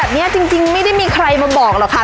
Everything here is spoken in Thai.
โอ้โหพยายามครับพี่ตอมครับ